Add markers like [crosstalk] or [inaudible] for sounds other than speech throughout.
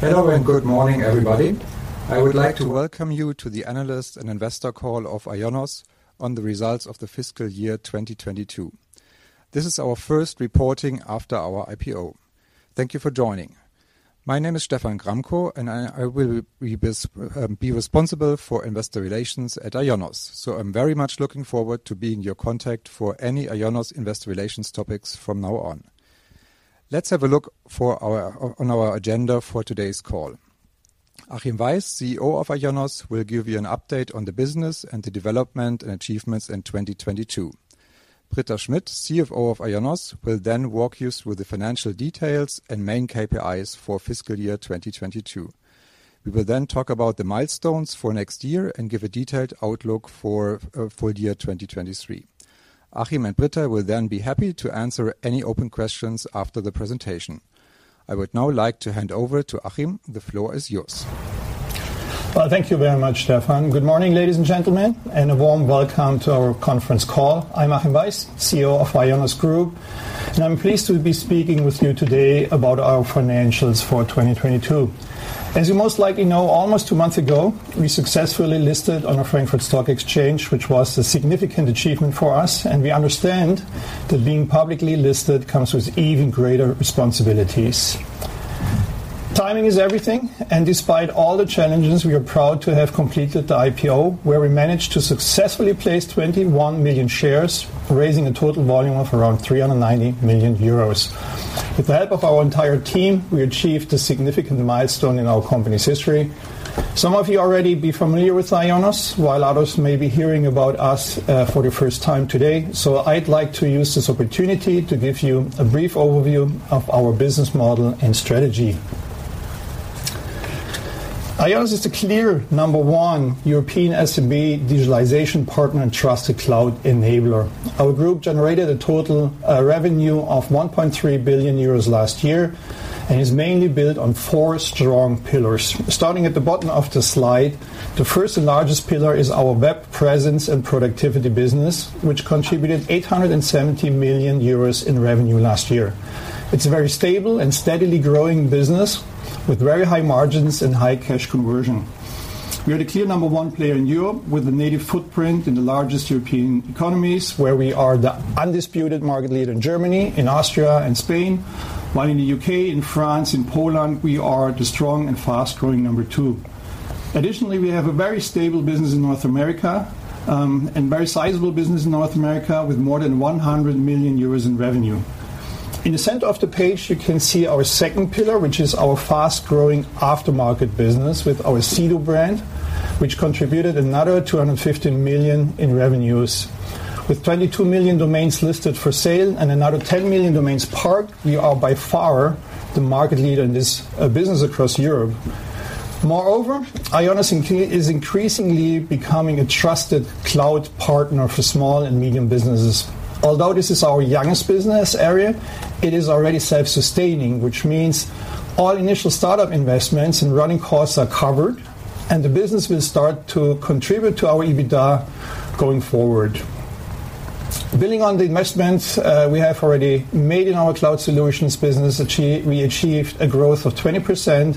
Hello, good morning, everybody. I would like to welcome you to the analyst and investor call of IONOS on the results of the fiscal year 2022. This is our first reporting after our IPO. Thank you for joining. My name is Stephan Gramkow, I will be responsible for investor relations at IONOS. I'm very much looking forward to being your contact for any IONOS investor relations topics from now on. Let's have a look on our agenda for today's call. Achim Weiss, CEO of IONOS, will give you an update on the business and the development and achievements in 2022. Britta Schmidt, CFO of IONOS, will walk you through the financial details and main KPIs for fiscal year 2022. We will talk about the milestones for next year and give a detailed outlook for full year 2023. Achim and Britta will then be happy to answer any open questions after the presentation. I would now like to hand over to Achim. The floor is yours. Thank you very much, Stephan. Good morning, ladies and gentlemen. A warm welcome to our conference call. I'm Achim Weiss, CEO of IONOS Group. I'm pleased to be speaking with you today about our financials for 2022. As you most likely know, almost two months ago, we successfully listed on a Frankfurt Stock Exchange, which was a significant achievement for us. We understand that being publicly listed comes with even greater responsibilities. Timing is everything. Despite all the challenges, we are proud to have completed the IPO, where we managed to successfully place 21 million shares, raising a total volume of around 390 million euros. With the help of our entire team, we achieved a significant milestone in our company's history. Some of you already be familiar with IONOS, while others may be hearing about us for the first time today. I'd like to use this opportunity to give you a brief overview of our business model and strategy. IONOS is the clear number one European SMB digitalization partner and trusted cloud enabler. Our group generated a total revenue of 1.3 billion euros last year and is mainly built on four strong pillars. Starting at the bottom of the slide, the first and largest pillar is our Web Presence & Productivity business, which contributed 870 million euros in revenue last year. It's a very stable and steadily growing business with very high margins and high cash conversion. We are the clear number one player in Europe with a native footprint in the largest European economies, where we are the undisputed market leader in Germany, in Austria and Spain. In the U.K., in France, in Poland, we are the strong and fast-growing number two. Additionally, we have a very stable business in North America, and very sizable business in North America with more than 100 million euros in revenue. In the center of the page, you can see our second pillar, which is our fast-growing aftermarket business with our Sedo brand, which contributed another 250 million in revenues. With 22 million domains listed for sale and another 10 million domains parked, we are by far the market leader in this business across Europe. Moreover, IONOS is increasingly becoming a trusted cloud partner for small and medium businesses. Although this is our youngest business area, it is already self-sustaining, which means all initial startup investments and running costs are covered, and the business will start to contribute to our EBITDA going forward. Building on the investments we have already made in our Cloud Solutions business, we achieved a growth of 20%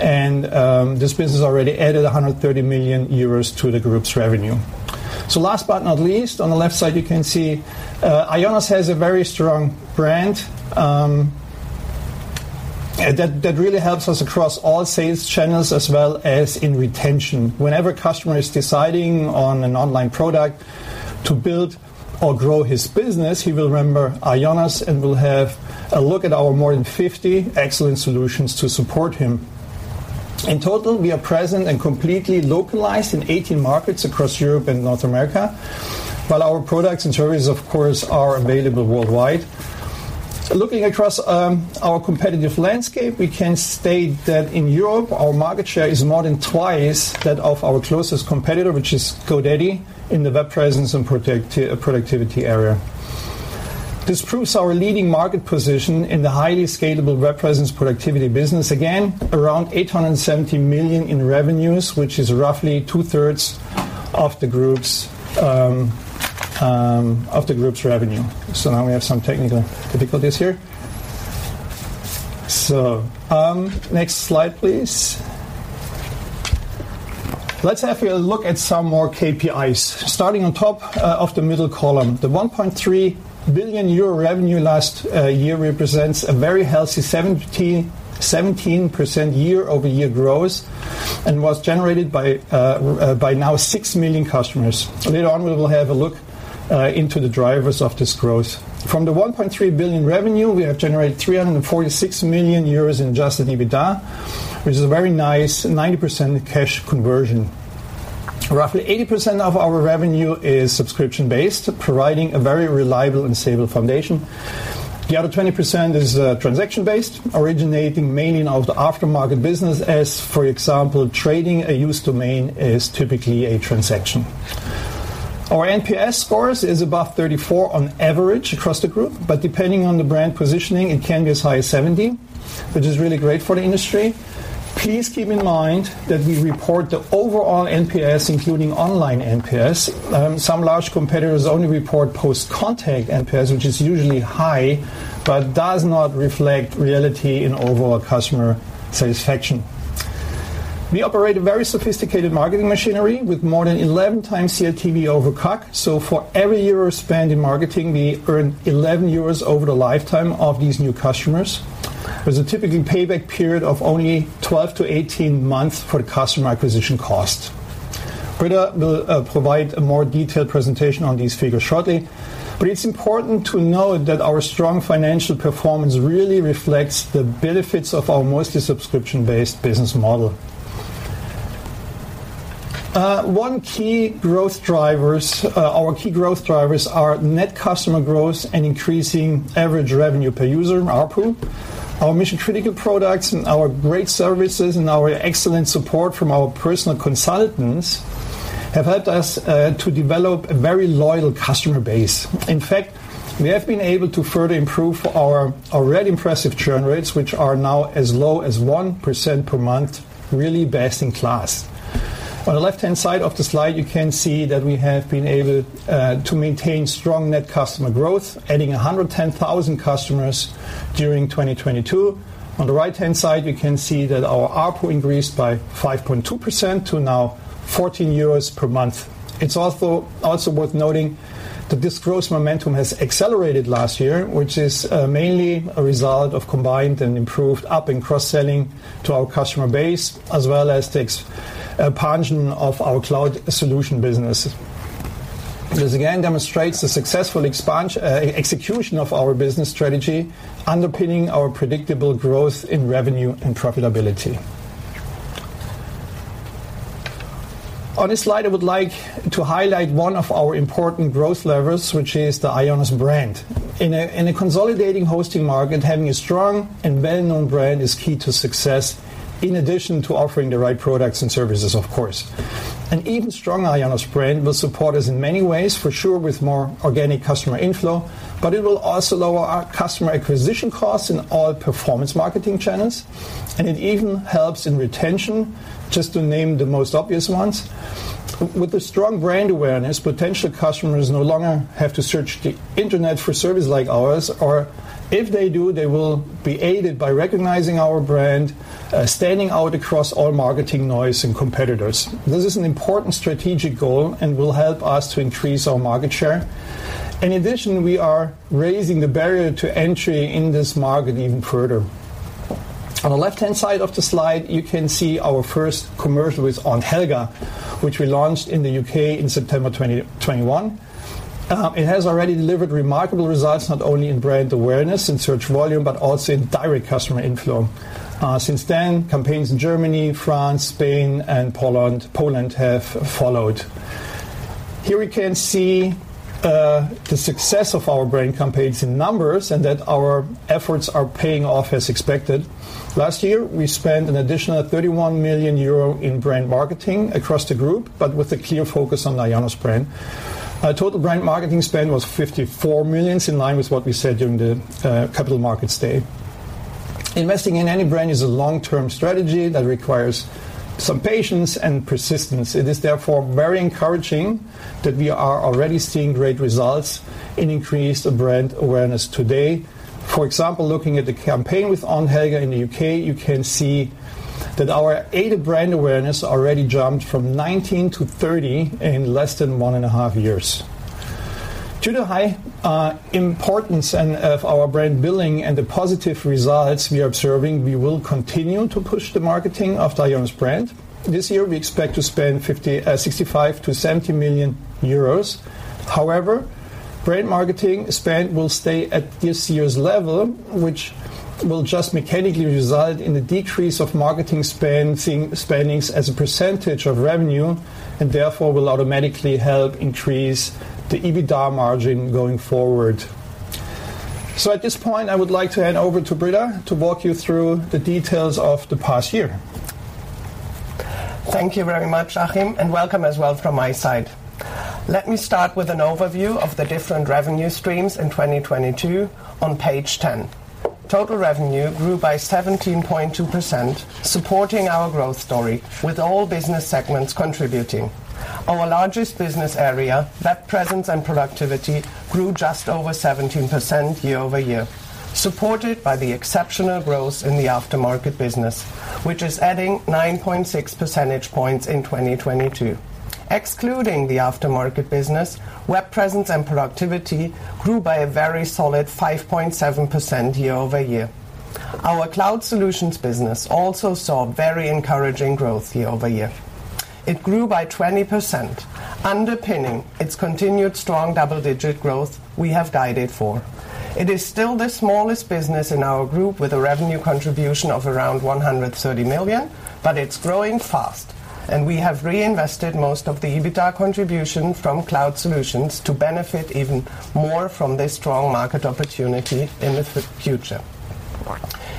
and this business already added 130 million euros to the group's revenue. Last but not least, on the left side, you can see IONOS has a very strong brand that really helps us across all sales channels as well as in retention. Whenever a customer is deciding on an online product to build or grow his business, he will remember IONOS and will have a look at our more than 50 excellent solutions to support him. In total, we are present and completely localized in 18 markets across Europe and North America, while our products and services, of course, are available worldwide. Looking across our competitive landscape, we can state that in Europe, our market share is more than twice that of our closest competitor, which is GoDaddy, in the Web Presence and Productivity area. This proves our leading market position in the highly scalable Web Presence Productivity business. Again, around 870 million in revenues, which is roughly 2/3 of the group's revenue. Now we have some technical difficulties here. Next slide, please. Let's have a look at some more KPIs. Starting on top of the middle column. The 1.3 billion euro revenue last year represents a very healthy 17% year-over-year growth and was generated by now 6 million customers. Later on, we will have a look into the drivers of this growth. From the 1.3 billion revenue, we have generated 346 million euros in adjusted EBITDA, which is a very nice 90% cash conversion. Roughly 80% of our revenue is subscription-based, providing a very reliable and stable foundation. The other 20% is transaction-based, originating mainly out of the aftermarket business as, for example, trading a used domain is typically a transaction. Our NPS scores is above 34 on average across the group, but depending on the brand positioning, it can be as high as 70, which is really great for the industry. Please keep in mind that we report the overall NPS, including online NPS. Some large competitors only report post-contact NPS, which is usually high but does not reflect reality in overall customer satisfaction. We operate a very sophisticated marketing machinery with more than 11x CLTV over CAC. For every euro spent in marketing, we earn 11 euros over the lifetime of these new customers. There's a typically payback period of only 12-18 months for customer acquisition cost. Britta will provide a more detailed presentation on these figures shortly. It's important to note that our strong financial performance really reflects the benefits of our mostly subscription-based business model. Our key growth drivers are net customer growth and increasing average revenue per user, ARPU. Our mission-critical products and our great services and our excellent support from our personal consultants have helped us to develop a very loyal customer base. In fact, we have been able to further improve our already impressive churn rates, which are now as low as 1% per month, really best in class. On the left-hand side of the slide, you can see that we have been able to maintain strong net customer growth, adding 110,000 customers during 2022. On the right-hand side, you can see that our ARPU increased by 5.2% to now 14 euros per month. It's also worth noting that this growth momentum has accelerated last year, which is mainly a result of combined and improved up and cross-selling to our customer base as well as the expansion of our Cloud Solutions business. This again demonstrates the successful execution of our business strategy underpinning our predictable growth in revenue and profitability. On this slide, I would like to highlight one of our important growth levers, which is the IONOS brand. In a consolidating hosting market, having a strong and well-known brand is key to success, in addition to offering the right products and services of course. An even strong IONOS brand will support us in many ways, for sure, with more organic customer inflow, but it will also lower our customer acquisition costs in all performance marketing channels. It even helps in retention, just to name the most obvious ones. With a strong brand awareness, potential customers no longer have to search the internet for services like ours, or if they do, they will be aided by recognizing our brand, standing out across all marketing noise and competitors. This is an important strategic goal and will help us to increase our market share. In addition, we are raising the barrier to entry in this market even further. On the left-hand side of the slide, you can see our first commercial with Aunt Helga, which we launched in the U.K. in September 2021. It has already delivered remarkable results, not only in brand awareness and search volume, but also in direct customer inflow. Since then, campaigns in Germany, France, Spain, and Poland have followed. Here we can see the success of our brand campaigns in numbers and that our efforts are paying off as expected. Last year, we spent an additional 31 million euro in brand marketing across the group, but with a clear focus on IONOS. Our total brand marketing spend was 54 million, in line with what we said during the Capital Markets Day. Investing in any brand is a long-term strategy that requires some patience and persistence. It is therefore very encouraging that we are already seeing great results in increased brand awareness today. For example, looking at the campaign with Aunt Helga in the U.K., you can see that our aided brand awareness already jumped from 19 to 30 in less than one and a half years. Due to high importance of our brand building and the positive results we are observing, we will continue to push the marketing of the IONOS brand. This year, we expect to spend 65 million-70 million euros. Brand marketing spend will stay at this year's level, which will just mechanically result in a decrease of marketing spendings as a percent of revenue, and therefore will automatically help increase the EBITDA margin going forward. At this point, I would like to hand over to Britta to walk you through the details of the past year. Thank you very much, Achim, and welcome as well from my side. Let me start with an overview of the different revenue streams in 2022 on page 10. Total revenue grew by 17.2%, supporting our growth story with all business segments contributing. Our largest business area, Web Presence & Productivity, grew just over 17% year-over-year, supported by the exceptional growth in the aftermarket business, which is adding 9.6 percentage points in 2022. Excluding the aftermarket business, Web Presence & Productivity grew by a very solid 5.7% year-over-year. Our Cloud Solutions business also saw very encouraging growth year-over-year. It grew by 20%, underpinning its continued strong double-digit growth we have guided for. It is still the smallest business in our group with a revenue contribution of around 130 million, but it's growing fast, and we have reinvested most of the EBITDA contribution from Cloud Solutions to benefit even more from this strong market opportunity in the future.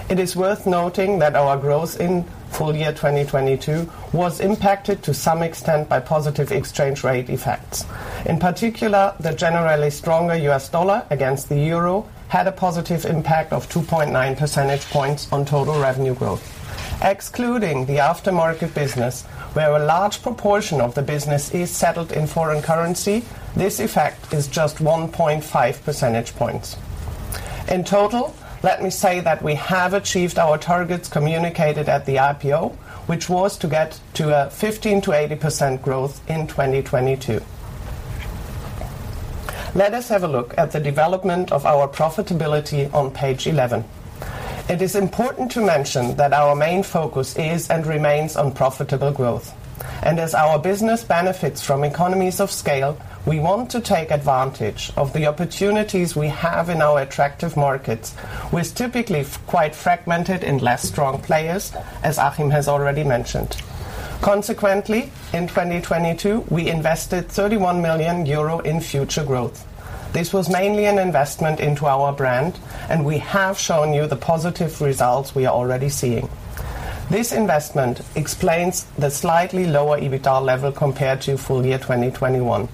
It is worth noting that our growth in full year 2022 was impacted to some extent by positive exchange rate effects. In particular, the generally stronger U.S. dollar against the euro had a positive impact of 2.9 percentage points on total revenue growth. Excluding the aftermarket business, where a large proportion of the business is settled in foreign currency, this effect is just 1.5 percentage points. In total, let me say that we have achieved our targets communicated at the IPO, which was to get to a 15%-80% growth in 2022. Let us have a look at the development of our profitability on page 11. It is important to mention that our main focus is and remains on profitable growth. As our business benefits from economies of scale, we want to take advantage of the opportunities we have in our attractive markets, with typically quite fragmented and less strong players, as Achim has already mentioned. Consequently, in 2022, we invested 31 million euro in future growth. This was mainly an investment into our brand, and we have shown you the positive results we are already seeing. This investment explains the slightly lower EBITDA level compared to full year 2021.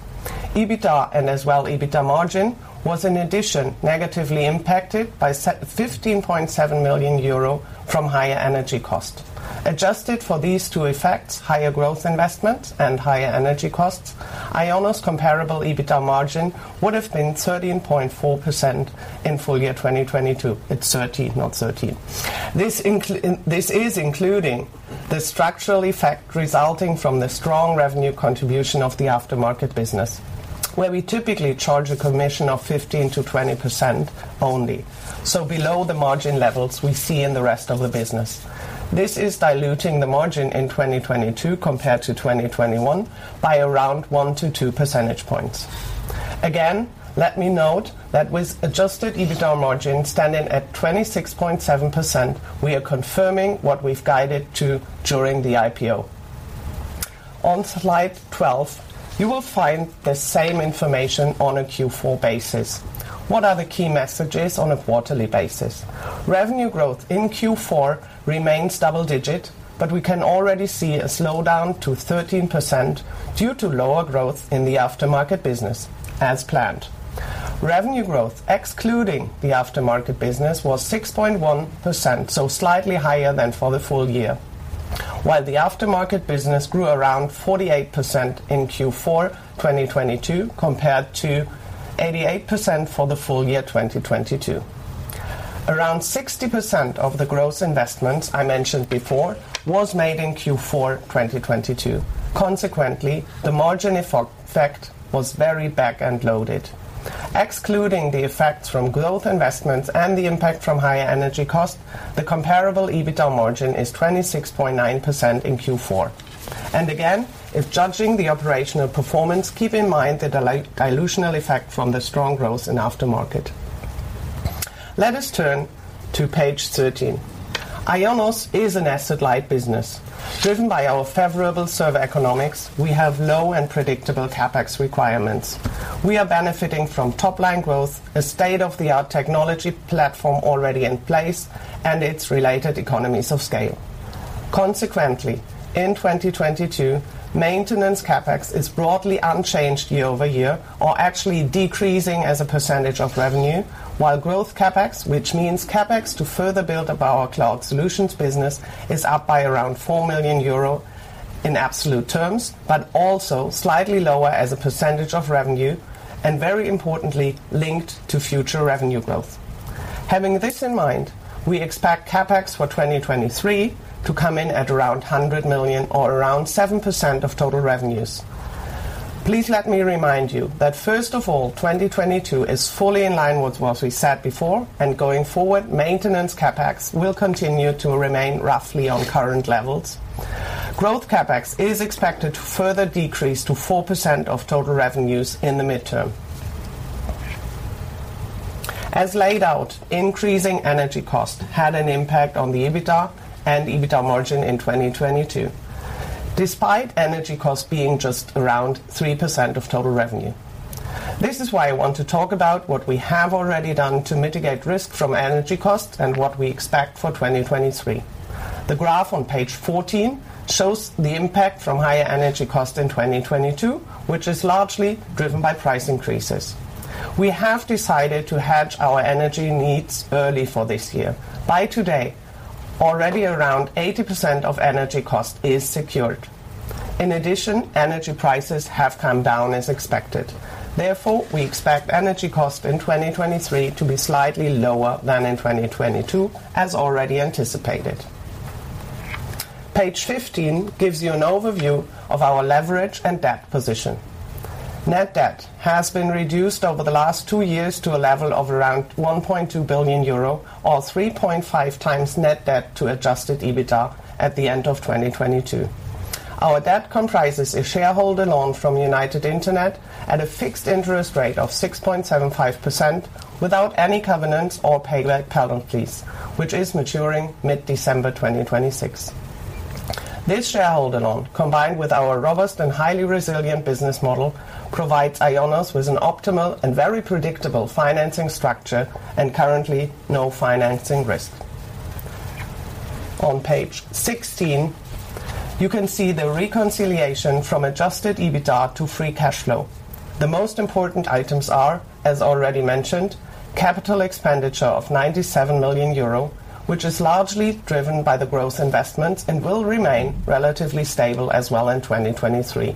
EBITDA, and as well EBITDA margin, was in addition negatively impacted by 15.7 million euro from higher energy cost. Adjusted for these two effects, higher growth investments and higher energy costs, IONOS comparable EBITDA margin would have been 13.4% in full year 2022. It's 13, not 30. This is including the structural effect resulting from the strong revenue contribution of the aftermarket business, where we typically charge a commission of 15%-20% only, so below the margin levels we see in the rest of the business. This is diluting the margin in 2022 compared to 2021 by around 1-2 percentage points. Again, let me note that with adjusted EBITDA margin standing at 26.7%, we are confirming what we've guided to during the IPO. On slide 12, you will find the same information on a Q4 basis. What are the key messages on a quarterly basis? Revenue growth in Q4 remains double digit, but we can already see a slowdown to 13% due to lower growth in the aftermarket business, as planned. Revenue growth, excluding the aftermarket business, was 6.1%, so slightly higher than for the full year. While the aftermarket business grew around 48% in Q4 2022 compared to 88% for the full year 2022. Around 60% of the gross investments I mentioned before was made in Q4 2022. Consequently, the margin effect was very back-end loaded. Excluding the effects from growth investments and the impact from higher energy costs, the comparable EBITDA margin is 26.9% in Q4. Again, if judging the operational performance, keep in mind the dilutional effect from the strong growth in aftermarket. Let us turn to page 13. IONOS is an asset-light business. Driven by our favorable server economics, we have low and predictable CapEx requirements. We are benefiting from top-line growth, a state-of-the-art technology platform already in place, and its related economies of scale. In 2022, maintenance CapEx is broadly unchanged year-over-year or actually decreasing as a percentage of revenue, while growth CapEx, which means CapEx to further build up our Cloud Solutions business, is up by around 4 million euro in absolute terms, also slightly lower as a percentage of revenue, and very importantly, linked to future revenue growth. Having this in mind, we expect CapEx for 2023 to come in at around 100 million or around 7% of total revenues. Please let me remind you that first of all, 2022 is fully in line with what we said before, going forward, maintenance CapEx will continue to remain roughly on current levels. Growth CapEx is expected to further decrease to 4% of total revenues in the midterm. As laid out, increasing energy cost had an impact on the EBITDA and EBITDA margin in 2022, despite energy cost being just around 3% of total revenue. This is why I want to talk about what we have already done to mitigate risk from energy costs and what we expect for 2023. The graph on page 14 shows the impact from higher energy cost in 2022, which is largely driven by price increases. We have decided to hedge our energy needs early for this year. By today, already around 80% of energy cost is secured. In addition, energy prices have come down as expected. Therefore, we expect energy cost in 2023 to be slightly lower than in 2022, as already anticipated. Page 15 gives you an overview of our leverage and debt position. Net debt has been reduced over the last two years to a level of around 1.2 billion euro or 3.5x net debt to adjusted EBITDA at the end of 2022. Our debt comprises a shareholder loan from United Internet at a fixed interest rate of 6.75% without any covenants or prepaid lease, which is maturing mid-December 2026. This shareholder loan, combined with our robust and highly resilient business model, provides IONOS with an optimal and very predictable financing structure and currently no financing risk. On Page 16, you can see the reconciliation from adjusted EBITDA to free cash flow. The most important items are, as already mentioned, capital expenditure of 97 million euro, which is largely driven by the growth investments and will remain relatively stable as well in 2023.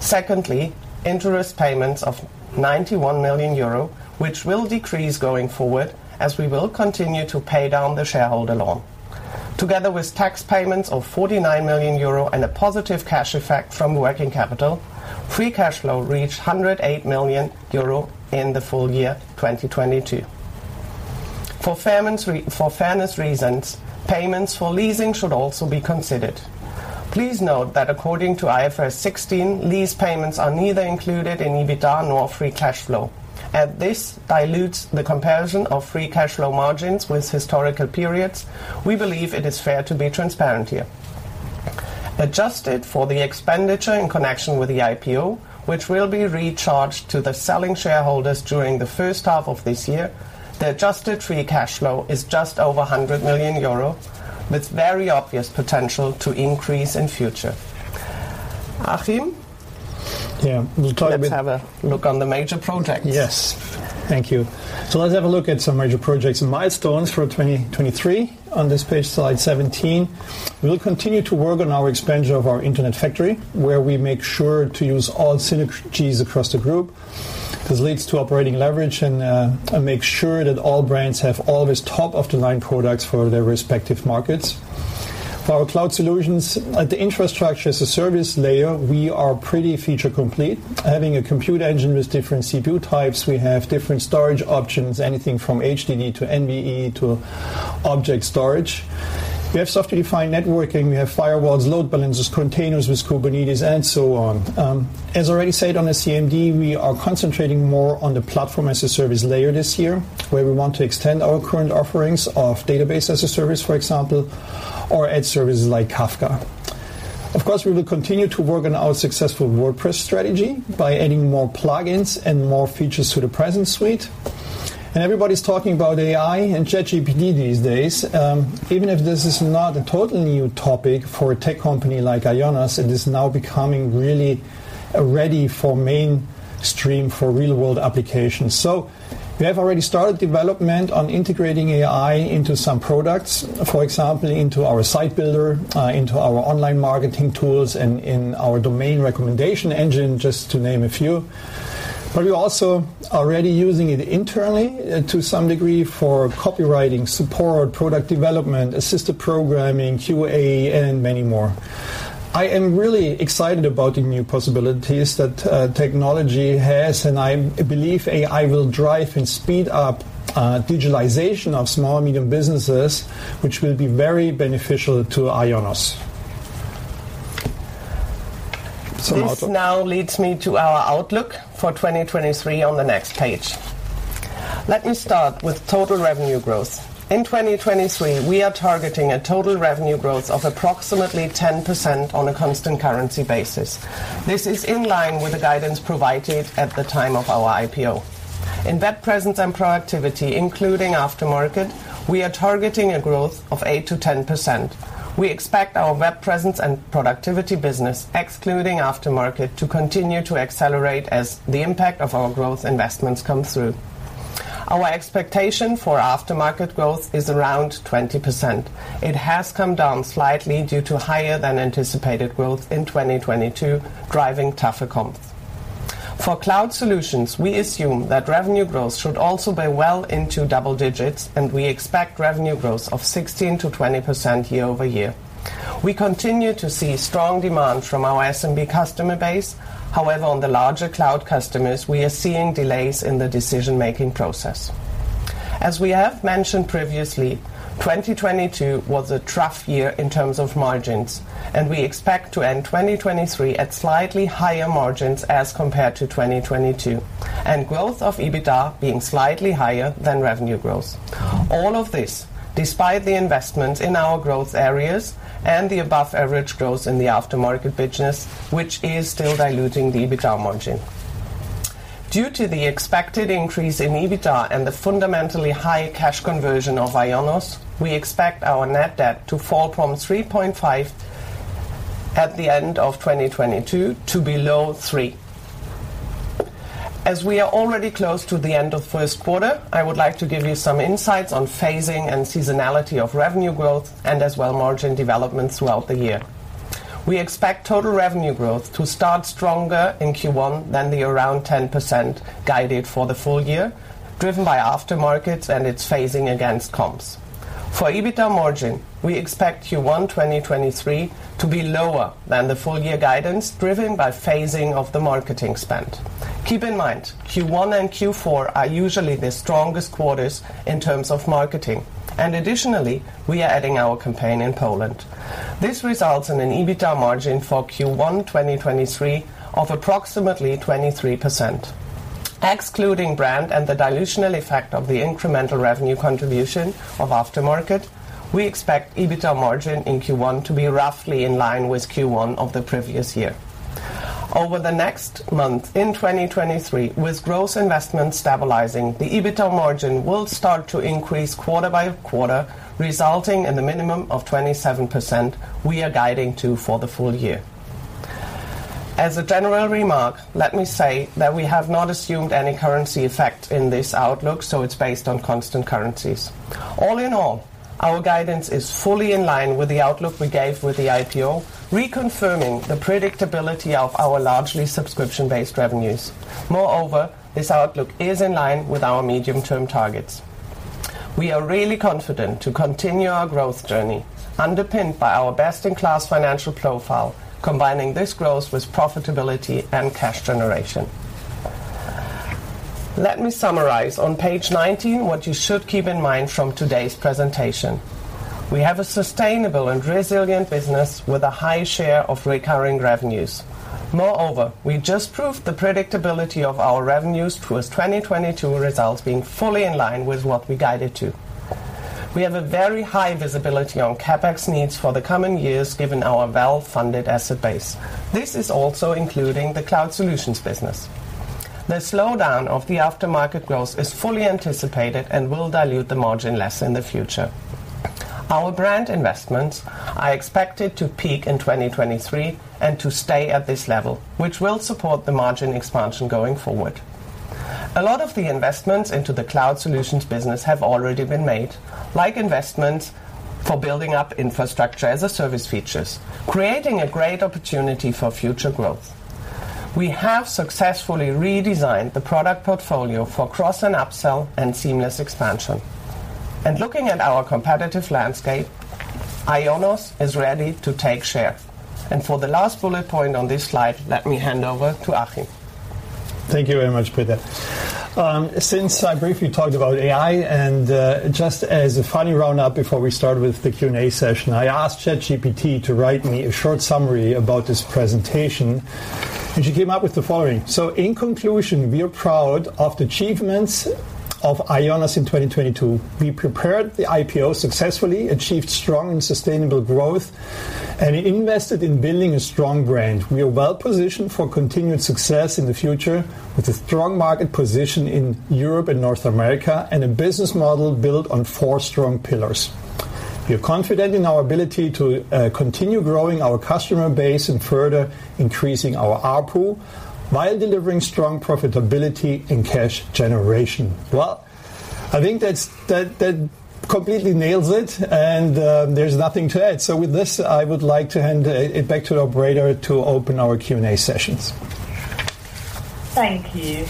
Secondly, interest payments of 91 million euro, which will decrease going forward as we will continue to pay down the shareholder loan. Together with tax payments of 49 million euro and a positive cash effect from working capital, free cash flow reached 108 million euro in the full year 2022. For fairness reasons, payments for leasing should also be considered. Please note that according to IFRS 16, lease payments are neither included in EBITDA nor free cash flow. As this dilutes the comparison of free cash flow margins with historical periods, we believe it is fair to be transparent here. Adjusted for the expenditure in connection with the IPO, which will be recharged to the selling shareholders during the first half of this year, the adjusted free cash flow is just over 100 million euro, with very obvious potential to increase in future. Achim? Yeah. We'll talk a bit- Let's have a look on the major projects. Yes. Thank you. Let's have a look at some major projects and milestones for 2023 on this page, slide 17. We will continue to work on our expansion of our internet factory, where we make sure to use all synergies across the group. This leads to operating leverage and make sure that all brands have always top-of-the-line products for their respective markets. For our Cloud Solutions, at the Infrastructure as a Service layer, we are pretty feature complete. Having a compute engine with different CPU types, we have different storage options, anything from HDD to NVMe to object storage. We have software-defined networking. We have firewalls, load balancers, containers with Kubernetes, and so on. As already said on the CMD, we are concentrating more on the Platform as a Service layer this year, where we want to extend our current offerings of Database as a Service, for example, or add services like Kafka. Of course, we will continue to work on our successful WordPress strategy by adding more plugins and more features to the Presence Suite. Everybody's talking about AI and ChatGPT these days. Even if this is not a totally new topic for a tech company like IONOS, it is now becoming really ready for mainstream, for real-world applications. We have already started development on integrating AI into some products, for example, into our site builder, into our online marketing tools, and in our domain recommendation engine, just to name a few. We're also already using it internally, to some degree for copywriting, support, product development, assisted programming, QA, and many more. I am really excited about the new possibilities that technology has, and I believe AI will drive and speed up digitalization of small and medium businesses, which will be very beneficial to IONOS. This now leads me to our outlook for 2023 on the next page. Let me start with total revenue growth. In 2023, we are targeting a total revenue growth of approximately 10% on a constant currency basis. This is in line with the guidance provided at the time of our IPO. In Web Presence & Productivity, including Aftermarket, we are targeting a growth of 8%-10%. We expect our Web Presence & Productivity business, excluding Aftermarket, to continue to accelerate as the impact of our growth investments come through. Our expectation for Aftermarket growth is around 20%. It has come down slightly due to higher than anticipated growth in 2022, driving tougher comps. For Cloud Solutions, we assume that revenue growth should also be well into double digits, and we expect revenue growth of 16%-20% year-over-year. We continue to see strong demand from our SMB customer base. On the larger cloud customers, we are seeing delays in the decision-making process. We have mentioned previously, 2022 was a tough year in terms of margins, and we expect to end 2023 at slightly higher margins as compared to 2022, and growth of EBITDA being slightly higher than revenue growth. All of this, despite the investments in our growth areas and the above average growth in the aftermarket business, which is still diluting the EBITDA margin. Due to the expected increase in EBITDA and the fundamentally high cash conversion of IONOS, we expect our net debt to fall from 3.5x at the end of 2022 to below 3x. As we are already close to the end of 1st quarter, I would like to give you some insights on phasing and seasonality of revenue growth as well as margin development throughout the year. We expect total revenue growth to start stronger in Q1 than the around 10% guided for the full year, driven by aftermarket and its phasing against comps. For EBITDA margin, we expect Q1 2023 to be lower than the full year guidance driven by phasing of the marketing spend. Keep in mind, Q1 and Q4 are usually the strongest quarters in terms of marketing. Additionally, we are adding our campaign in Poland. This results in an EBITDA margin for Q1 2023 of approximately 23%. Excluding brand and the dilutional effect of the incremental revenue contribution of Aftermarket, we expect EBITDA margin in Q1 to be roughly in line with Q1 of the previous year. Over the next month in 2023, with gross investments stabilizing, the EBITDA margin will start to increase quarter by quarter, resulting in the minimum of 27% we are guiding to for the full year. As a general remark, let me say that we have not assumed any currency effect in this outlook, so it's based on constant currencies. Our guidance is fully in line with the outlook we gave with the IPO, reconfirming the predictability of our largely subscription-based revenues. Moreover, this outlook is in line with our medium-term targets. We are really confident to continue our growth journey, underpinned by our best-in-class financial profile, combining this growth with profitability and cash generation. Let me summarize on page 19 what you should keep in mind from today's presentation. We have a sustainable and resilient business with a high share of recurring revenues. Moreover, we just proved the predictability of our revenues towards 2022 results being fully in line with what we guided to. We have a very high visibility on CapEx needs for the coming years given our well-funded asset base. This is also including the Cloud Solutions business. The slowdown of the aftermarket growth is fully anticipated and will dilute the margin less in the future. Our brand investments are expected to peak in 2023 and to stay at this level, which will support the margin expansion going forward. A lot of the investments into the Cloud Solutions business have already been made, like investments for building up Infrastructure as a Service features, creating a great opportunity for future growth. We have successfully redesigned the product portfolio for cross and upsell and seamless expansion. Looking at our competitive landscape, IONOS is ready to take share. For the last bullet point on this slide, let me hand over to Achim. Thank you very much, Britta. Since I briefly talked about AI and just as a funny roundup before we start with the Q&A session, I asked ChatGPT to write me a short summary about this presentation, and she came up with the following. In conclusion, we are proud of the achievements of IONOS in 2022. We prepared the IPO successfully, achieved strong and sustainable growth, and invested in building a strong brand. We are well positioned for continued success in the future with a strong market position in Europe and North America, and a business model built on four strong pillars. We are confident in our ability to continue growing our customer base and further increasing our ARPU while delivering strong profitability and cash generation. Well, I think that's that completely nails it, and there's nothing to add. With this, I would like to hand it back to the operator to open our Q&A sessions. Thank you.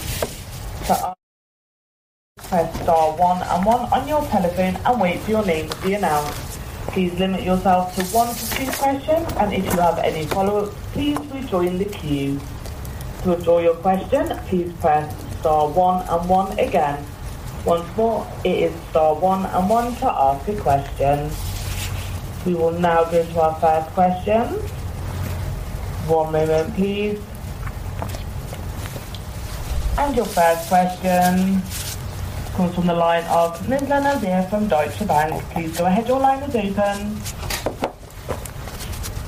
To ask, press star one and one on your telephone and wait for your name to be announced. Please limit yourself to one to two questions, and if you have any follow-ups, please rejoin the queue. To withdraw your question, please press star one and one again. Once more, it is star one and one to ask a question. We will now go to our first question. One moment please. Your first question comes from the line of Nizla Naizer from Deutsche Bank. Please go ahead. Your line is open.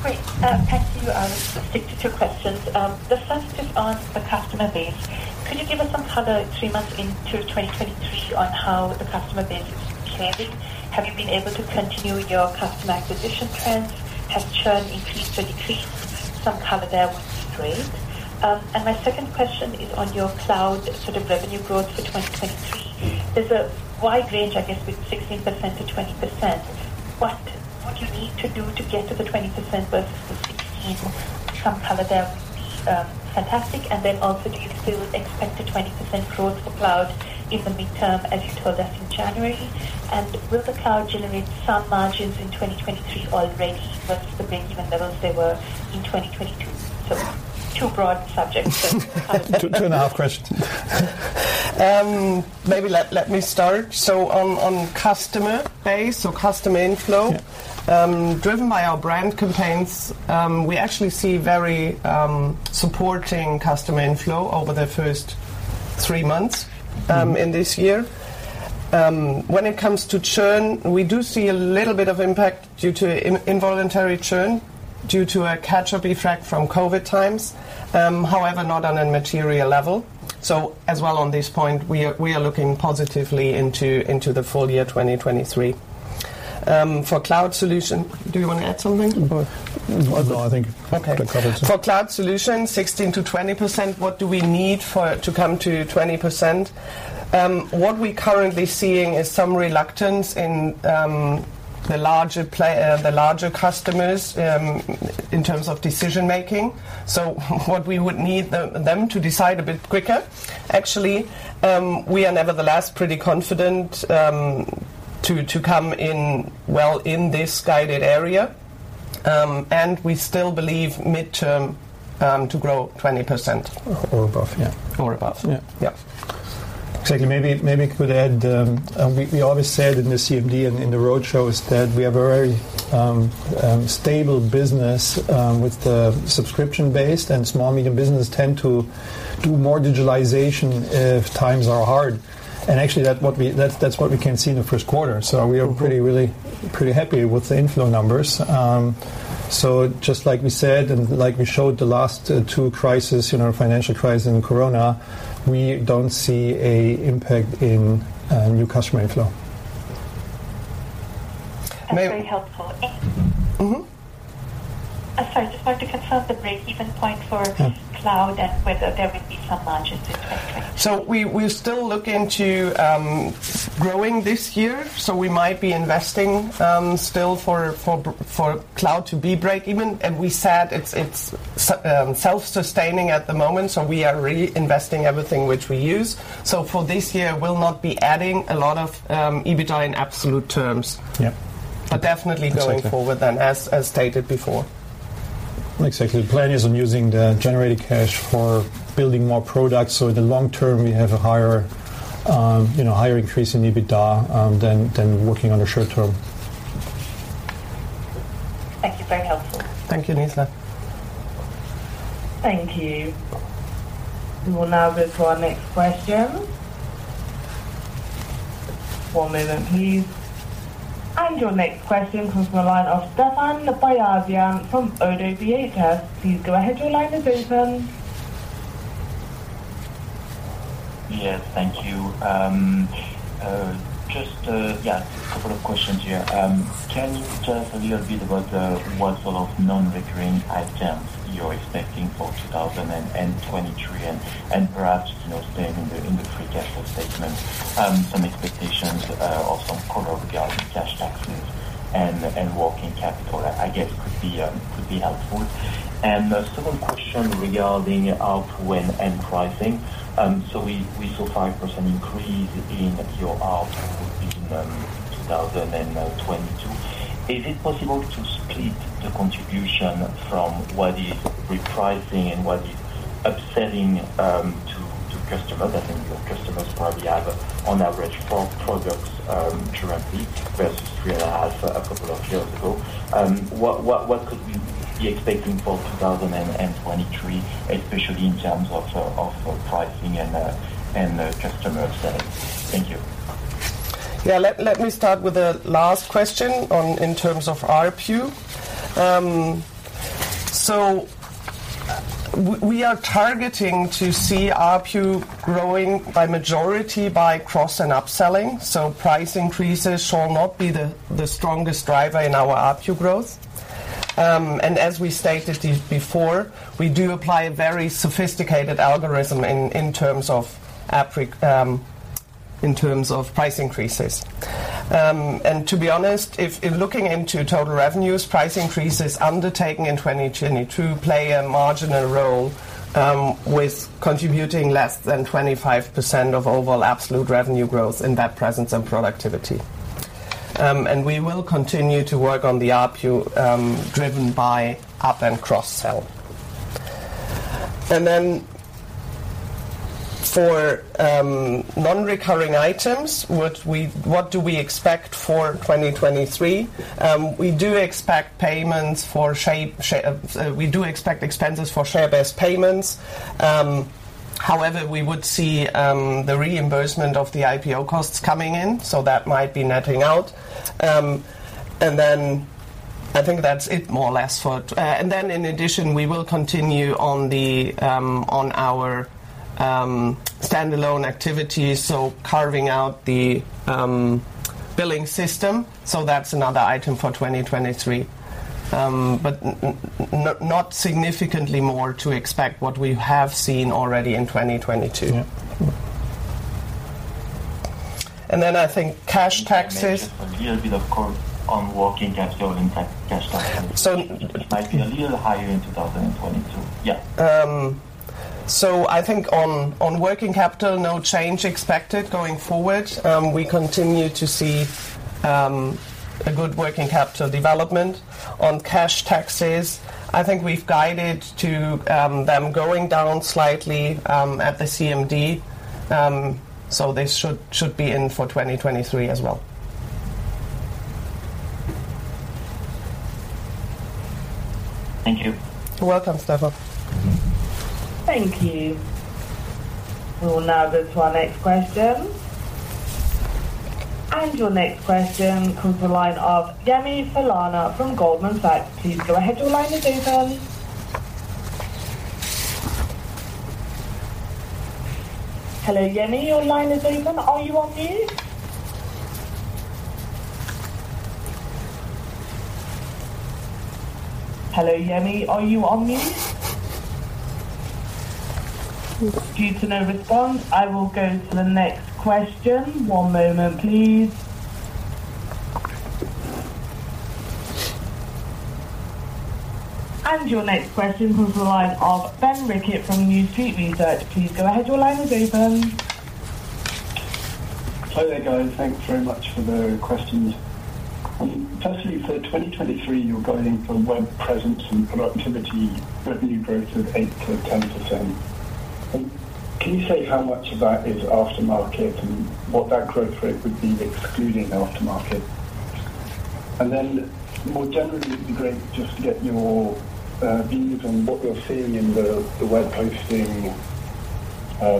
Great. Thank you. I will stick to two questions. The first is on the customer base. Could you give us some color three months into 2023 on how the customer base is behaving? Have you been able to continue your customer acquisition trends? Has churn increased or decreased? Some color there would be great. My second question is on your cloud sort of revenue growth for 2023. There's a wide range, I guess, with 16%-20%. What do you need to do to get to the 20% versus the 16%? Some color there would be fantastic. Also, do you still expect the 20% growth for cloud in the midterm, as you told us in January? Will the cloud generate some margins in 2023 already versus the maintenance levels they were in 2022? two broad subjects. Two, two and a half questions. Maybe let me start. On customer base or customer inflow. Yeah. Driven by our brand campaigns, we actually see very supporting customer inflow over the first three months in this year. When it comes to churn, we do see a little bit of impact due to involuntary churn due to a catch-up effect from COVID times, however, not on a material level. As well on this point, we are looking positively into the full year 2023. For Cloud Solutions-- Do you wanna add something or? No. Okay. That covers it. For Cloud Solutions, 16%-20%, what do we need for it to come to 20%? What we're currently seeing is some reluctance in the larger customers in terms of decision-making. What we would need them to decide a bit quicker. Actually, we are nevertheless pretty confident to come in well in this guided area, and we still believe midterm to grow 20%. Above, yeah. Above. Yeah. Yeah. Okay. Maybe I could add, we always said in the CMD and in the roadshows that we have a very stable business with the subscription base, and small, medium business tend to do more digitalization if times are hard. Actually that's what we can see in the first quarter. We are pretty, really pretty happy with the inflow numbers. Just like we said, and like we showed the last two crises, you know, financial crisis and Corona, we don't see a impact in new customer inflow. May- That's very helpful. Mm-hmm. Sorry. Just wanted to confirm the break-even point for cloud and whether there will be some margins in 2023. We still look into growing this year, so we might be investing still for cloud to be break even. We said it's self-sustaining at the moment, so we are reinvesting everything which we use. For this year, we'll not be adding a lot of EBITDA in absolute terms. Yeah. Definitely going forward then, as stated before. Exactly. The plan is on using the generated cash for building more products. In the long term, we have a higher, you know, higher increase in EBITDA, than working on the short term. Thank you. Very helpful. Thank you, Nizla. Thank you. We will now move to our next question. One moment please. Your next question comes from the line of Stephane Beyazian from Oddo BHF. Please go ahead, your line is open. Yes. Thank you. Just, yeah, a couple of questions here. Can you tell us a little bit about the, what sort of non-recurring items you're expecting for 2023 and perhaps, you know, staying in the, in the free cash flow statement, some expectations or some color regarding cash taxes and working capital, I guess could be helpful. The second question regarding out when and pricing. We saw 5% increase in your ARPU in 2022. Is it possible to split the contribution from what is repricing and what is upselling to customers? I think your customers probably have on average four products directly versus three and a half a couple of years ago. What could we be expecting for 2023, especially in terms of pricing and customer upselling? Thank you. Let me start with the last question on, in terms of ARPU. We are targeting to see ARPU growing by majority by cross and upselling. Price increases shall not be the strongest driver in our ARPU growth. As we stated it before, we do apply a very sophisticated algorithm in terms of price increases. To be honest, if looking into total revenues, price increases undertaken in 2022 play a marginal role, with contributing less than 25% of overall absolute revenue growth in that Web Presence & Productivity. We will continue to work on the ARPU driven by up and cross-sell. For non-recurring items, what do we expect for 2023? We do expect payments for We do expect expenses for share-based payments. However, we would see the reimbursement of the IPO costs coming in, that might be netting out. I think that's it more or less for... In addition, we will continue on our standalone activities, carving out the billing system. That's another item for 2023. Not significantly more to expect what we have seen already in 2022. Yeah. I think cash taxes. Can you mention a little bit, of course, on working capital and cash taxes? So- It might be a little higher in 2022. Yeah. I think on working capital, no change expected going forward. We continue to see a good working capital development. On cash taxes, I think we've guided to them going down slightly at the CMD. They should be in for 2023 as well. Thank you. You're welcome, Stephane. Thank you. We will now move to our next question. Your next question comes from the line of Yemi Falana from Goldman Sachs. Please go ahead, your line is open. Hello, Yemi, your line is open. Are you on mute? Hello, Yemi. Are you on mute? Due to no response, I will go to the next question. One moment, please. Your next question comes from the line of Ben Rickett from New Street Research. Please go ahead, your line is open. Hello there, guys. Thank you very much for the questions. firstly, for 2023, you're guiding for Web Presence & Productivity revenue growth of 8%-10%. Can you say how much of that is aftermarket and what that growth rate would be excluding aftermarket? More generally, it'd be great just to get your views on what you're seeing in the web hosting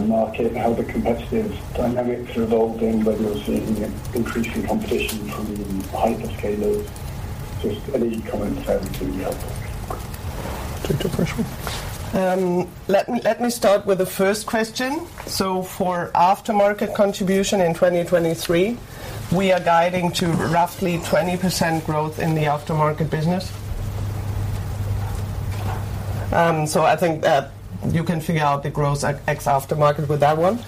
market, how the competitive dynamics are evolving, whether you're seeing increasing competition from the hyperscalers. Just any comments there would be helpful. Take the first one. Let me start with the first question. For aftermarket contribution in 2023, we are guiding to roughly 20% growth in the aftermarket business. I think that you can figure out the growth at ex aftermarket with that one.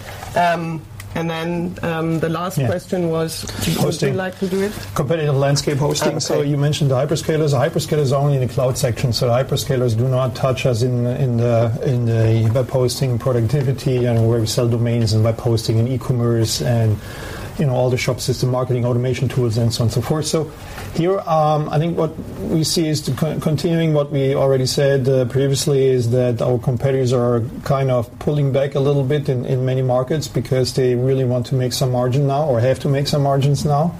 The last question was. Yeah. Would you like to do it? Competitive landscape hosting. You mentioned the hyperscalers. Hyperscalers are only in the cloud section. Hyperscalers do not touch us in the web hosting productivity and where we sell domains and web hosting and e-commerce and, you know, all the shop system marketing automation tools and so on and so forth. Here, I think what we see is to continuing what we already said previously is that our competitors are kind of pulling back a little bit in many markets because they really want to make some margin now or have to make some margins now.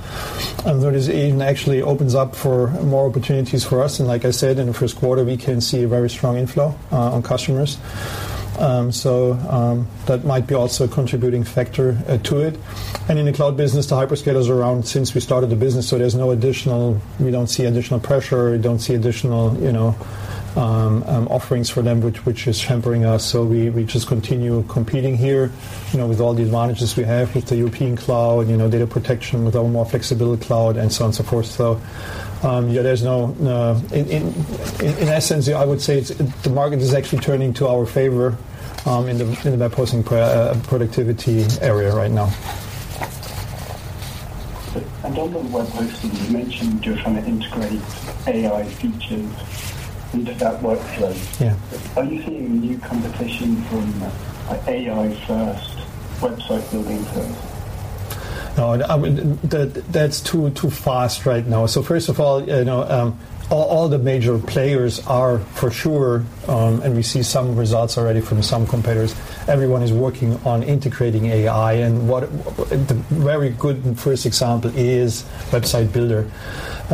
That is even actually opens up for more opportunities for us. Like I said, in the first quarter, we can see a very strong inflow on customers. That might be also a contributing factor to it. In the cloud business, the hyperscaler is around since we started the business. There's no additional pressure. We don't see additional, you know, offerings for them which is hampering us. We just continue competing here, you know, with all the advantages we have with the European cloud, you know, data protection with our more flexible cloud and so on, so forth. Yeah, there's no. In essence, I would say it's the market is actually turning to our favor in the web hosting productivity area right now. On the web hosting, you mentioned you're trying to integrate AI features into that workflow. Yeah. Are you seeing new competition from, like, AI-first website building tools? No, I mean, that's too fast right now. First of all, you know, all the major players are for sure, and we see some results already from some competitors. Everyone is working on integrating AI and the very good first example is website builder.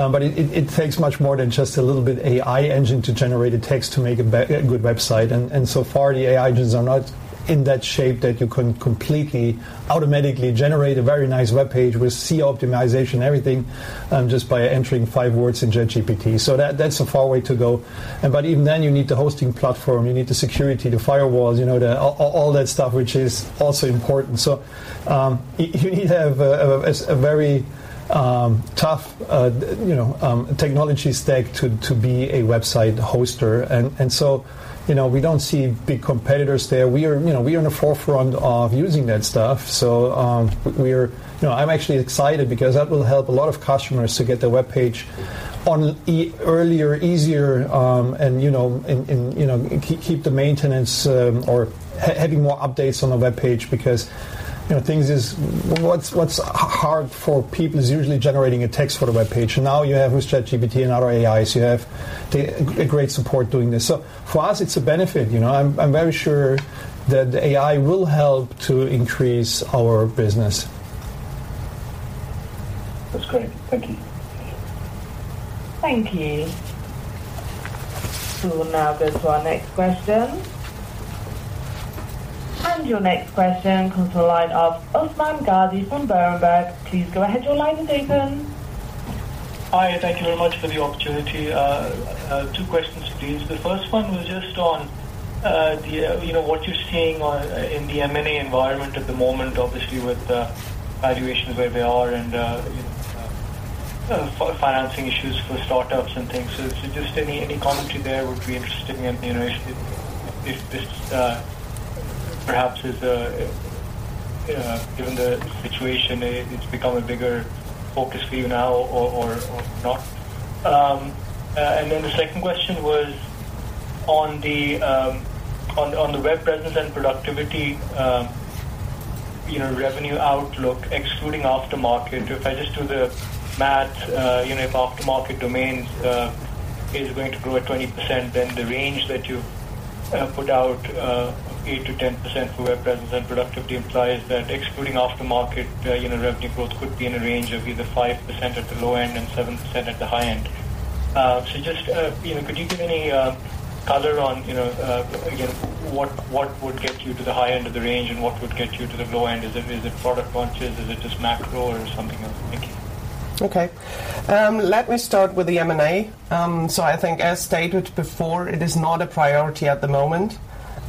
But it takes much more than just a little bit AI engine to generate a text to make a good website. So far, the AI engines are not in that shape that you can completely automatically generate a very nice webpage with SEO optimization, everything, just by entering five words in ChatGPT. That's a far way to go. Even then, you need the hosting platform, you need the security, the firewalls, you know, all that stuff, which is also important. You need to have a very tough technology stack to be a website hoster. We don't see big competitors there. We are in the forefront of using that stuff. I'm actually excited because that will help a lot of customers to get their webpage earlier, easier, and, you know, keep the maintenance or having more updates on the webpage because things is. What's hard for people is usually generating a text for the webpage. Now you have with ChatGPT and other AIs, you have a great support doing this. For us, it's a benefit. I'm very sure that the AI will help to increase our business. That's great. Thank you. Thank you. We'll now go to our next question. Your next question comes to the line of Usman Ghazi from Berenberg. Please go ahead, your line is open. Hi, thank you very much for the opportunity. two questions, please. The first one was just on the, you know, what you're seeing in the M&A environment at the moment, obviously, with the valuations where they are and, you know, financing issues for startups and things. Just any commentary there would be interesting. You know, if this perhaps is given the situation, it's become a bigger focus for you now or not. The second question was on the Web Presence & Productivity, you know, revenue outlook, excluding aftermarket. If I just do the math, you know, if aftermarket domains is going to grow at 20%, then the range that you've put out, 8%-10% for Web Presence & Productivity, implies that excluding aftermarket, you know, revenue growth could be in a range of either 5% at the low end and 7% at the high end. Just, you know, could you give any color on, you know, again, what would get you to the high end of the range and what would get you to the low end? Is it product launches? Is it just macro or something else? Thank you. Okay. Let me start with the M&A. I think as stated before, it is not a priority at the moment.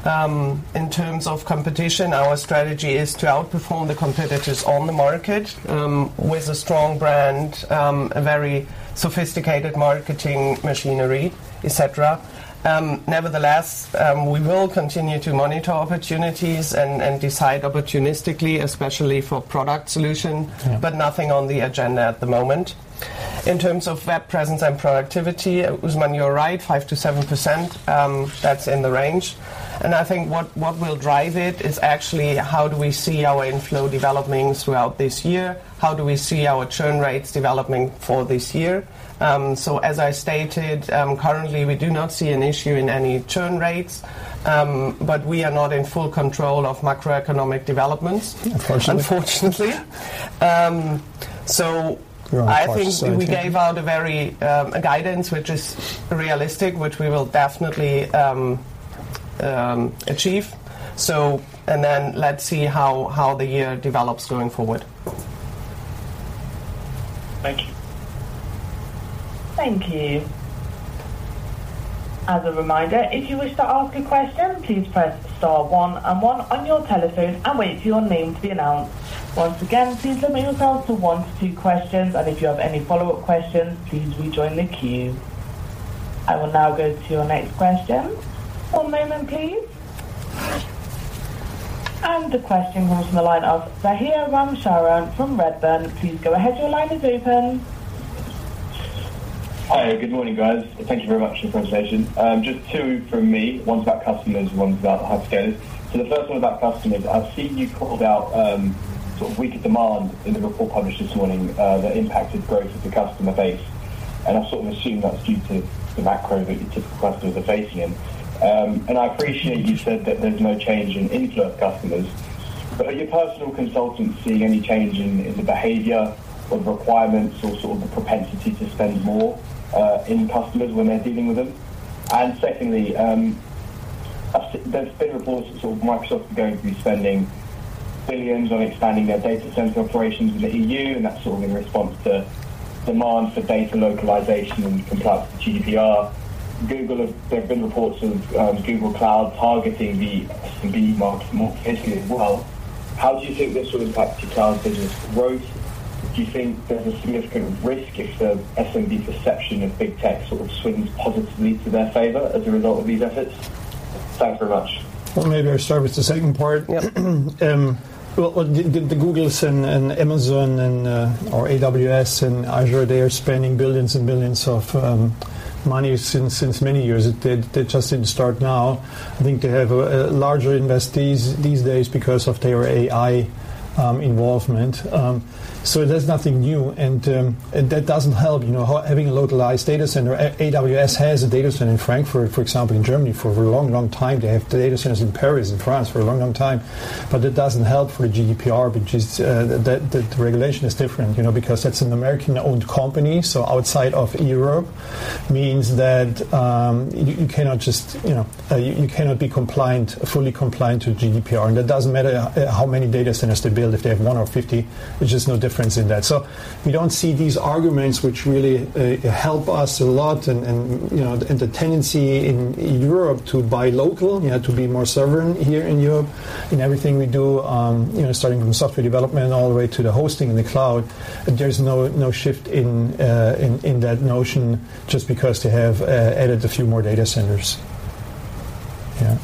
In terms of competition, our strategy is to outperform the competitors on the market, with a strong brand, a very sophisticated marketing machinery, et cetera. Nevertheless, we will continue to monitor opportunities and decide opportunistically, especially for product solution- Yeah. Nothing on the agenda at the moment. In terms of Web Presence & Productivity, Usman, you're right, 5%-7%, that's in the range. I think what will drive it is actually how do we see our inflow developing throughout this year? How do we see our churn rates developing for this year? As I stated, currently we do not see an issue in any churn rates, we are not in full control of macroeconomic developments. Unfortunately. Unfortunately. I think we gave out a very, a guidance which is realistic, which we will definitely achieve. Let's see how the year develops going forward. Thank you. Thank you. As a reminder, if you wish to ask a question, please press star one and one on your telephone and wait for your name to be announced. Once again, please limit yourself to one to two questions, and if you have any follow-up questions, please rejoin the queue. I will now go to our next question. One moment, please. The question comes from the line of Zahir Ramcharan from Redburn. Please go ahead, your line is open. Hi, good morning, guys. Thank you very much for the presentation. Just two from me. One's about customers, one's about hyperscalers. The first one about customers. I've seen you call out sort of weaker demand in the report published this morning that impacted growth of the customer base. I sort of assume that's due to the macro that your typical customers are facing in. I appreciate you said that there's no change in inflow of customers. Are your personal consultants seeing any change in the behavior of requirements or sort of the propensity to spend more in customers when they're dealing with them? Secondly, there's been reports that sort of Microsoft are going to be spending billions on expanding their data center operations in the EU, and that's sort of in response to demands for data localization and compliance with GDPR. Google, there have been reports of Google Cloud targeting the SMB market more explicitly as well. How do you think this will impact your cloud business growth? Do you think there's a significant risk if the SMB perception of big tech sort of swings positively to their favor as a result of these efforts? Thanks very much. Well, maybe I start with the second part. Yep. Well, the Googles and Amazon and AWS and Azure, they are spending billions of money since many years. They just didn't start now. I think they have a larger invest these days because of their AI involvement. There's nothing new, and that doesn't help, you know, having a localized data center. AWS has a data center in Frankfurt, for example, in Germany for a long, long time. They have data centers in Paris and France for a long, long time. That doesn't help for GDPR, which is the regulation is different, you know. That's an American-owned company, outside of Europe means that you cannot just, you know, cannot be compliant, fully compliant to GDPR. That doesn't matter how many data centers they build, if they have one or 50, there's just no difference in that. We don't see these arguments which really help us a lot and, you know, and the tendency in Europe to buy local, you know, to be more sovereign here in Europe in everything we do, you know, starting from software development all the way to the hosting in the cloud. There's no shift in that notion just because they have added a few more data centers. Yeah.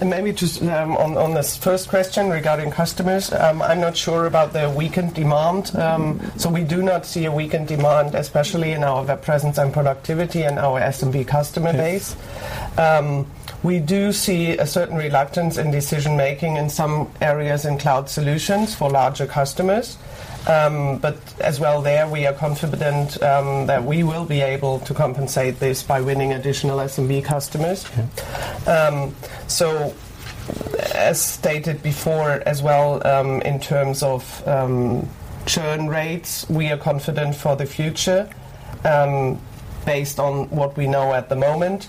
Maybe just, on the first question regarding customers, I'm not sure about the weakened demand. We do not see a weakened demand, especially in our Web Presence & Productivity and our SMB customer base. Yes. We do see a certain reluctance in decision-making in some areas in Cloud Solutions for larger customers. As well there, we are confident that we will be able to compensate this by winning additional SMB customers. Okay. As stated before as well, in terms of churn rates, we are confident for the future, based on what we know at the moment.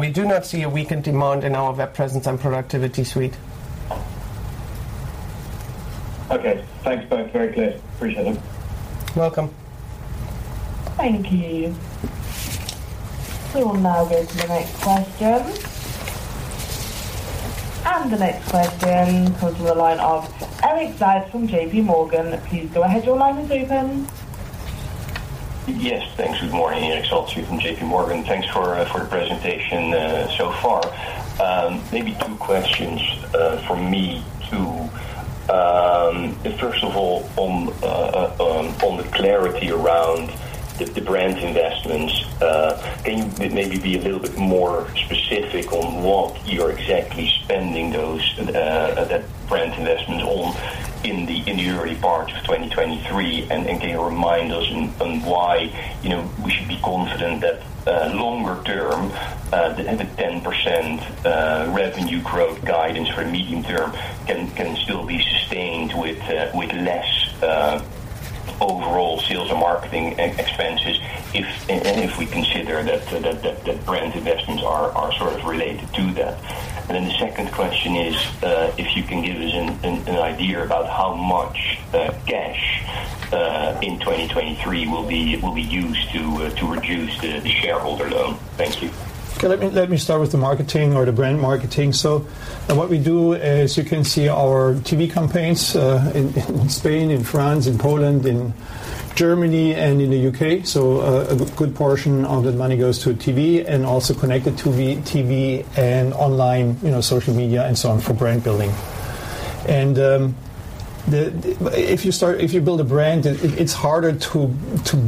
We do not see a weakened demand in our Web Presence & Productivity suite. Okay. Thanks both. Very clear. Appreciate it. Welcome. Thank you. We will now go to the next question. The next question goes to the line of Erik Salz from JPMorgan. Please go ahead, your line is open. Yes, thanks. Good morning, Erik Salz here from JPMorgan. Thanks for the presentation so far. Maybe two questions for me too. First of all, on the clarity around the brand investments. Can you maybe be a little bit more specific on what you're exactly spending those that brand investment on in the early part of 2023? Can you remind us on why, you know, we should be confident that longer term the 10% revenue growth guidance for medium term can still be sustained with less overall sales and marketing expenses if and if we consider that brand investments are sort of related to that? The second question is, if you can give us an idea about how much cash in 2023 will be used to reduce the shareholder loan. Thank you. Okay. Let me start with the marketing or the brand marketing. What we do is you can see our TV campaigns in Spain, in France, in Poland, in Germany, and in the U.K. A good portion of that money goes to TV and also Connected TV and online, you know, social media and so on for brand building. If you start, if you build a brand, it's harder to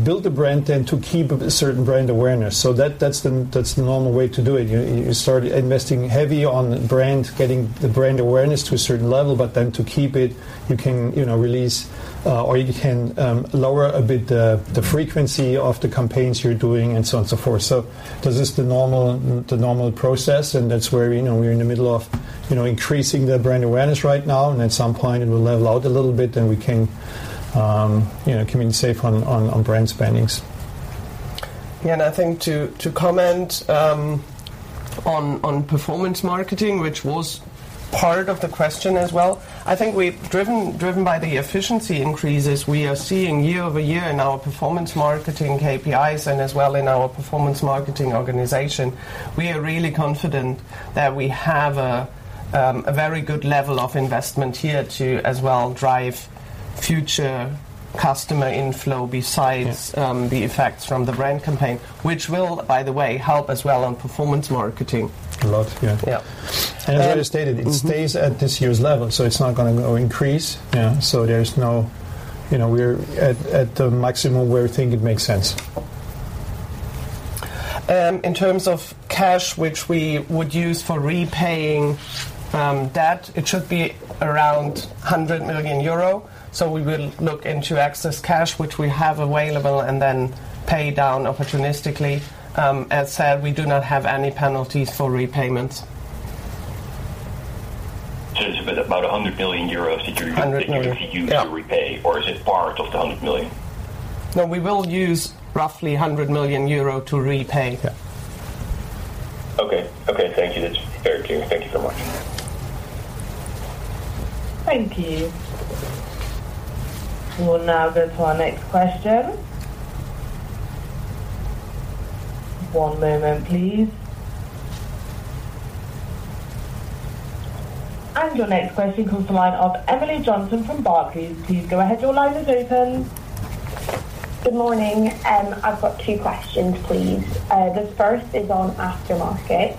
build a brand than to keep a certain brand awareness. That's the normal way to do it. You start investing heavy on brand, getting the brand awareness to a certain level. To keep it, you can, you know, release, or you can lower a bit the frequency of the campaigns you're doing and so on and so forth. This is the normal process, and that's where, you know, we're in the middle of, you know, increasing the brand awareness right now. At some point it will level out a little bit, then we can, you know, communicate on brand spendings. Yeah. I think to comment on performance marketing, which was part of the question as well. I think we've driven by the efficiency increases we are seeing year-over-year in our performance marketing KPIs and as well in our performance marketing organization. We are really confident that we have a very good level of investment here to as well drive future customer inflow besides- Yes... the effects from the brand campaign, which will, by the way, help as well on performance marketing. A lot, yeah. Yeah. As I just stated. Mm-hmm... it stays at this year's level, so it's not going to go increase and there's no, you know, we're at the maximum where we think it makes sense. In terms of cash, which we would use for repaying, debt, it should be around 100 million euro. We will look into excess cash, which we have available and then pay down opportunistically. As said, we do not have any penalties for repayments. it's about EUR 100 million that. EUR 100 million. Yeah. could use to repay, or is it part of the 100 million? No, we will use roughly 100 million euro to repay. Okay. Okay, thank you. That's very clear. Thank you so much. Thank you. We will now go to our next question. One moment, please. Your next question comes the line of Emily Johnson from Barclays. Please go ahead. Your line is open. Good morning. I've got two questions, please. The first is on aftermarket.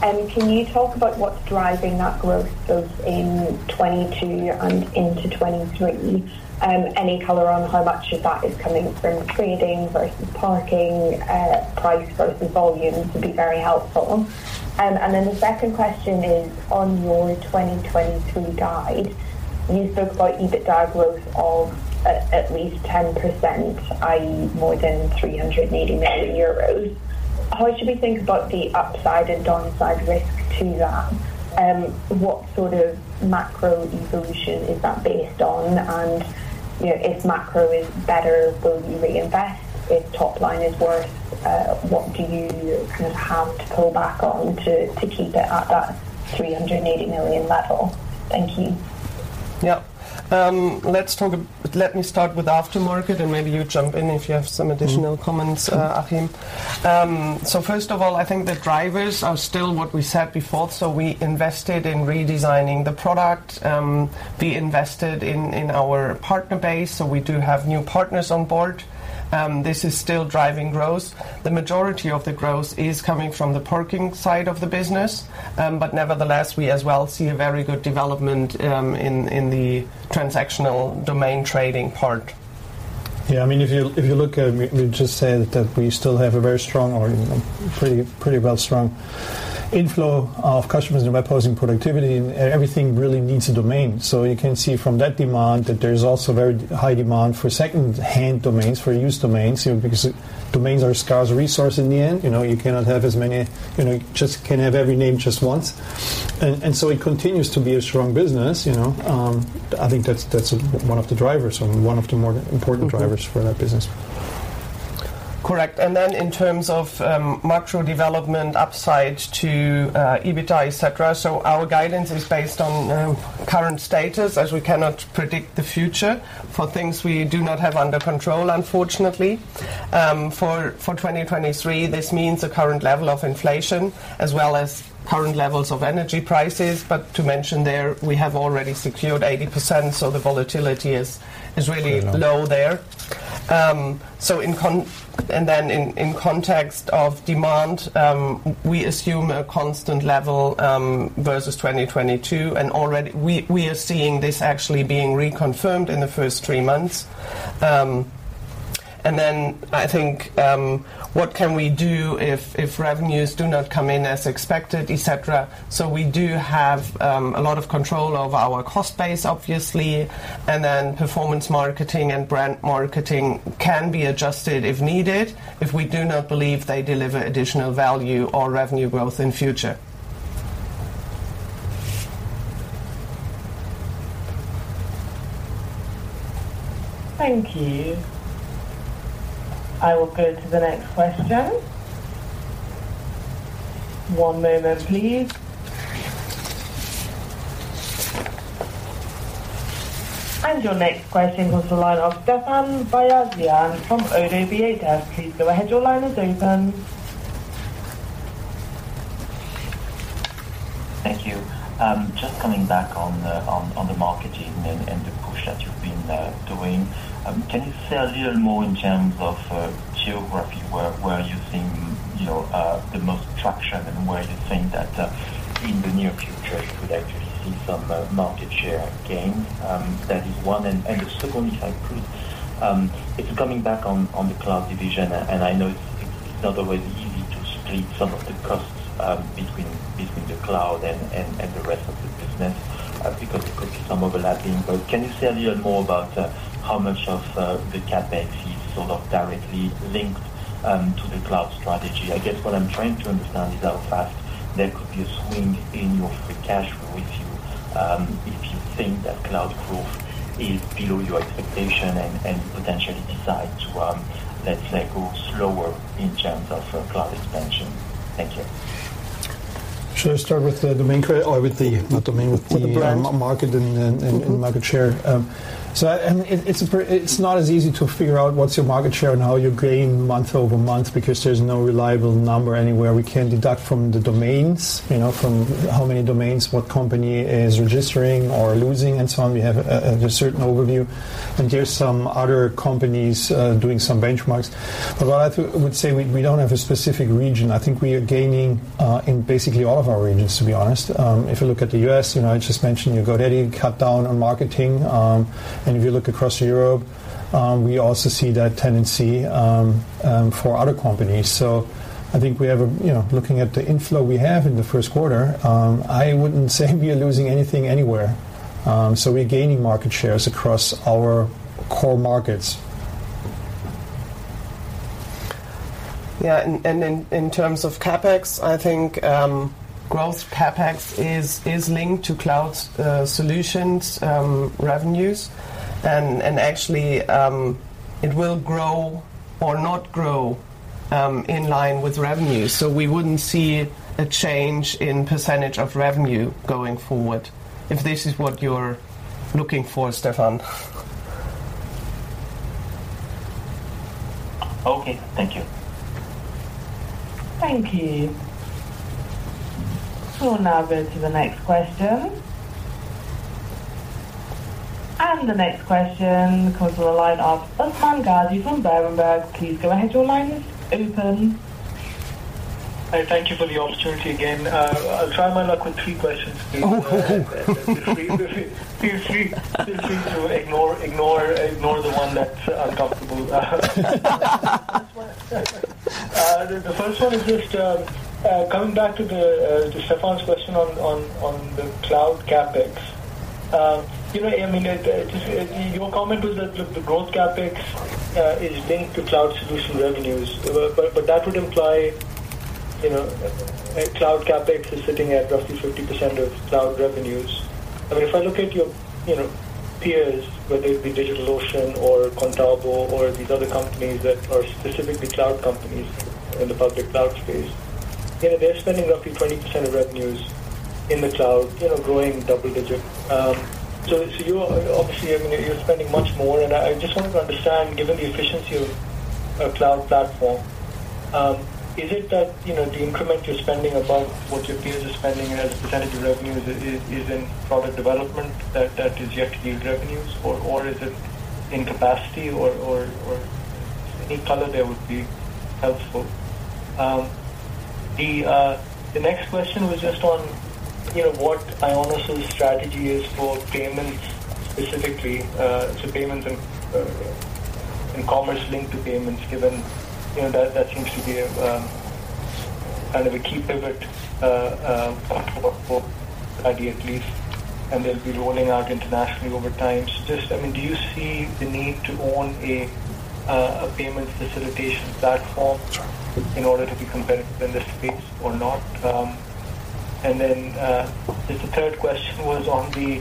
Can you talk about what's driving that growth of in 2022 and into 2023? Any color on how much of that is coming from trading versus parking, price versus volume would be very helpful. The second question is, on your 2022 guide, you spoke about EBITDA growth of at least 10%, i.e., more than 380 million euros. How should we think about the upside and downside risk to that? What sort of macro evolution is that based on? You know, if macro is better, will you reinvest? If top line is worse, what do you kind of have to pull back on to keep it at that 380 million level? Thank you. Let me start with aftermarket, and maybe you jump in if you have some additional comments, Achim. First of all, I think the drivers are still what we said before. We invested in redesigning the product. We invested in our partner base, so we do have new partners on board. This is still driving growth. The majority of the growth is coming from the parking side of the business. Nevertheless, we as well see a very good development in the transactional domain trading part. Yeah. I mean, if you, if you look at, we just said that we still have a very strong or, you know, pretty well strong inflow of customers. By posing productivity, everything really needs a domain. You can see from that demand that there's also very high demand for second-hand domains, for used domains, you know, because domains are a scarce resource in the end. You cannot have as many... You just can have every name just once. It continues to be a strong business, you know. I think that's one of the drivers or one of the more important drivers for that business. Correct. In terms of macro development upside to EBITDA, et cetera. Our guidance is based on current status as we cannot predict the future for things we do not have under control, unfortunately. For 2023, this means the current level of inflation as well as current levels of energy prices. To mention there, we have already secured 80%, so the volatility is really low there. In context of demand, we assume a constant level versus 2022. Already we are seeing this actually being reconfirmed in the first three months. I think what can we do if revenues do not come in as expected, et cetera. We do have a lot of control over our cost base, obviously. Performance marketing and brand marketing can be adjusted if needed, if we do not believe they deliver additional value or revenue growth in future. Thank you. I will go to the next question. One moment, please. Your next question comes the line of Stephane Beyazian from Oddo BHF. Please go ahead. Your line is open. Thank you. Just coming back on the marketing and the push that you've been doing. Can you say a little more in terms of geography, where you're seeing, you know, the most traction and where you're seeing that in the near future you could actually see some market share gains? That is one. The second, if I could, it's coming back on the cloud division. I know it's not always easy to split some of the costs between the cloud and the rest of the business, because there could be some overlapping. Can you say a little more about how much of the CapEx is sort of directly linked to the cloud strategy? I guess what I'm trying to understand is how fast there could be a swing in your free cash flow if you, if you think that cloud growth is below your expectation and potentially decide to, let's say, go slower in terms of cloud expansion. Thank you. Should I start with the domain or with the, not domain, with the? With the brand. ...market and market share. It's not as easy to figure out what's your market share now, your gain month-over-month, because there's no reliable number anywhere. We can deduct from the domains, you know, from how many domains what company is registering or losing and so on. We have a certain overview. There's some other companies doing some benchmarks. I would say we don't have a specific region. I think we are gaining in basically all of our regions, to be honest. If you look at the U.S., you know, I just mentioned GoDaddy cut down on marketing. If you look across Europe, we also see that tendency for other companies. I think we have a, you know, looking at the inflow we have in the first quarter, I wouldn't say we are losing anything anywhere. We're gaining market shares across our core markets. Yeah. In terms of CapEx, I think growth CapEx is linked to Cloud Solutions revenues. Actually, it will grow or not grow in line with revenues. We wouldn't see a change in percentage of revenue going forward, if this is what you're looking for, Stephane. Okay. Thank you. Thank you. Now go to the next question. The next question comes from the line of Usman Ghazi from Berenberg. Please go ahead, your line is open. Thank you for the opportunity again. I'll try my luck with three questions please. Feel free to ignore the one that's uncomfortable. The first one is just coming back to Stephane's question on the cloud CapEx. You know, I mean, your comment was that the growth CapEx is linked to cloud solution revenues. That would imply, you know, cloud CapEx is sitting at roughly 50% of cloud revenues. I mean, if I look at your, you know, peers, whether it be DigitalOcean or Contabo or these other companies that are specifically cloud companies in the public cloud space, you know, they're spending roughly 20% of revenues in the cloud, you know, growing double digit. So you're obviously, I mean, you're spending much more. I just wanted to understand, given the efficiency of a cloud platform, is it that, you know, the increment you're spending above what your peers are spending as a percentage of revenue is in product development that is yet to yield revenues or is it in capacity or any color there would be helpful. The next question was just on, you know, what IONOS' strategy is for payments specifically, so payments and commerce linked to payments, given, you know, that seems to be kind of a key pivot for ID at least, and they'll be rolling out internationally over time. Just, I mean, do you see the need to own a payment facilitation platform in order to be competitive in this space or not? Just the third question was on the,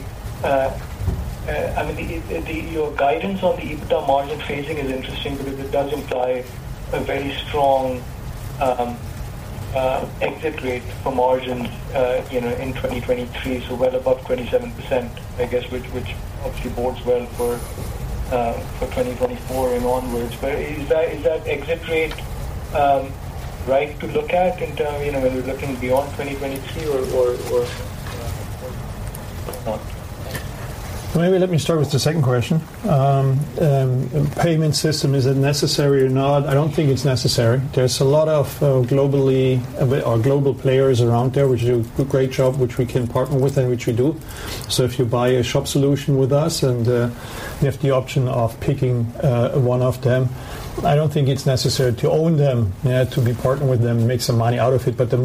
I mean, your guidance on the EBITDA margin phasing is interesting because it does imply a very strong exit rate for margins, you know, in 2023, so well above 27%, I guess, which obviously bodes well for 2024 and onwards. Is that exit rate right to look at in term, you know, when you're looking beyond 2023 or, what not? Maybe let me start with the second question. Payment system, is it necessary or not? I don't think it's necessary. There's a lot of global players around there which do a great job, which we can partner with, and which we do. If you buy a shop solution with us, and you have the option of picking one of them, I don't think it's necessary to own them. You have to be partnered with them, make some money out of it. The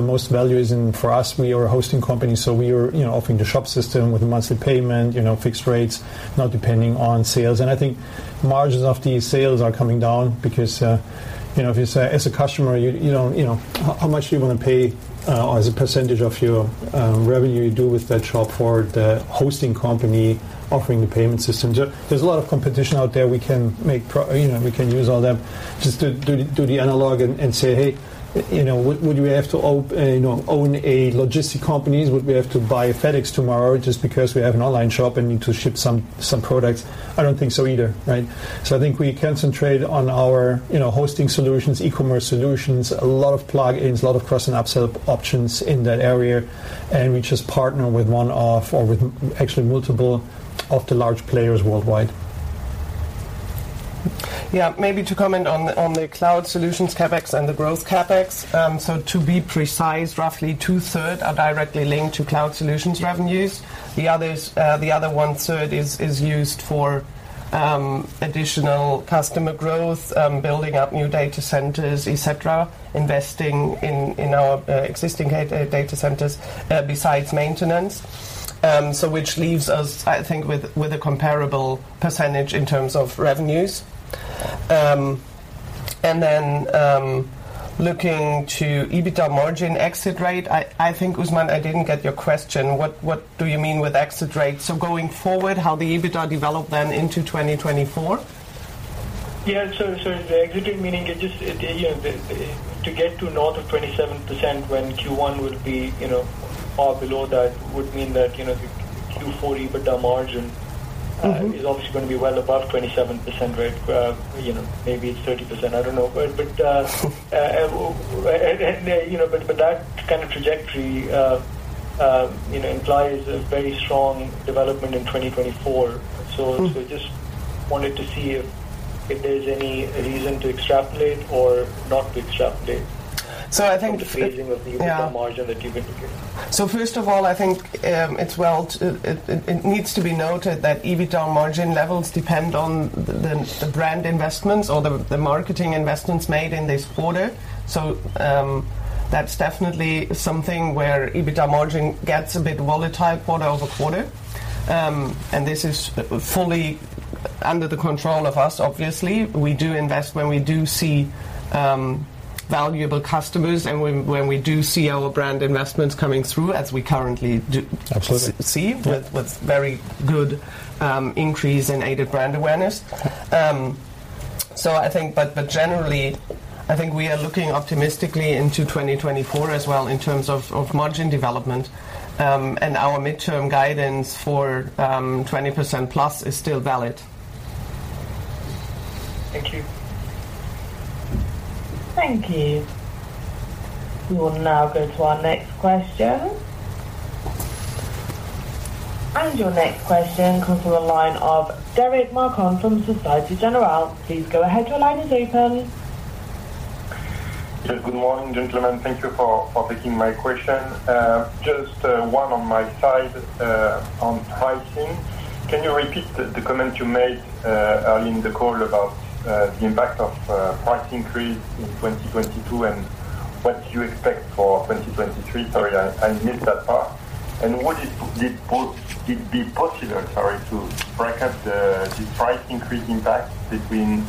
most value is in for us, we are a hosting company, so we are, you know, offering the shop system with a monthly payment, you know, fixed rates, not depending on sales. I think margins of these sales are coming down because, you know, if you say as a customer, you know, how much do you wanna pay as a percentage of your revenue you do with that shop for the hosting company offering the payment system? There's a lot of competition out there. We can you know, we can use all them just to do the analog and say, "Hey, you know, would we have to you know, own a logistic companies? Would we have to buy a FedEx tomorrow just because we have an online shop and need to ship some products?" I don't think so either, right? I think we concentrate on our, you know, hosting solutions, e-commerce solutions, a lot of plug-ins, a lot of cross and upsell options in that area. We just partner with one of or with actually multiple of the large players worldwide. Yeah. Maybe to comment on the Cloud Solutions CapEx and the growth CapEx. To be precise, roughly 2/3 are directly linked to Cloud Solutions revenues. The others, the other 1/3 is used for additional customer growth, building up new data centers, et cetera, investing in our existing data centers, besides maintenance. Which leaves us, I think, with a comparable percentage in terms of revenues. Looking to EBITDA margin exit rate, I think, Usman, I didn't get your question. What do you mean with exit rate? Going forward, how the EBITDA develop then into 2024? Yeah. The exit rate, meaning you know, to get to north of 27% when Q1 would be, you know, far below that, would mean that, you know, the Q4 EBITDA margin... Mm-hmm. is obviously gonna be well above 27% rate. you know, maybe it's 30%, I don't know. you know, but that kind of trajectory, you know, implies a very strong development in 2024. Mm-hmm. Just wanted to see if there's any reason to extrapolate or not to extrapolate. I think. -from the phasing of the- Yeah. EBITDA margin that you've indicated. First of all, I think, it needs to be noted that EBITDA margin levels depend on the brand investments or the marketing investments made in this quarter. That's definitely something where EBITDA margin gets a bit volatile quarter-over-quarter. This is fully under the control of us, obviously. We do invest when we do see Valuable customers. When we do see our brand investments coming through, as we currently do. Absolutely. -see- Yeah. with very good, increase in aided brand awareness. I think but generally, I think we are looking optimistically into 2024 as well in terms of margin development. Our midterm guidance for, 20% plus is still valid. Thank you. Thank you. We will now go to our next question. Your next question comes from the line of Derek [audio distortion] from Société Générale. Please go ahead, your line is open. Yeah. Good morning, gentlemen. Thank you for taking my question. Just one on my side on pricing. Can you repeat the comment you made earlier in the call about the impact of price increase in 2022, and what do you expect for 2023? Sorry, I missed that part. Would it be possible, sorry, to break up the price increase impact between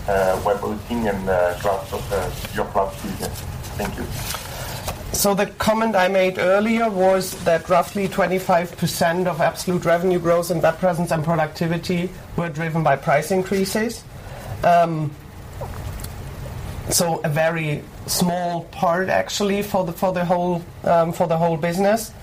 web hosting and cloud software, your cloud business? Thank you. The comment I made earlier was that roughly 25% of absolute revenue growth in that Presence & Productivity were driven by price increases. A very small part actually for the, for the whole, for the whole business.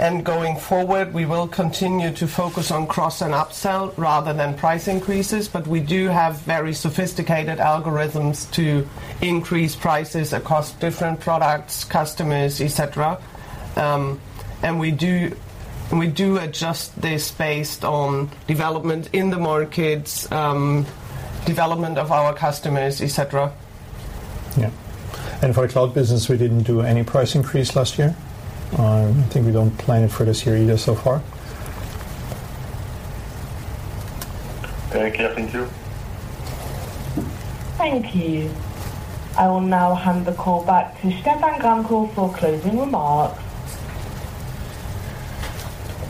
Going forward, we will continue to focus on cross and upsell rather than price increases. We do have very sophisticated algorithms to increase prices across different products, customers, et cetera. We do adjust this based on development in the markets, development of our customers, et cetera. Yeah. For our cloud business, we didn't do any price increase last year. I think we don't plan it for this year either so far. Very clear. Thank you. Thank you. I will now hand the call back to Stephan Gramkow for closing remarks.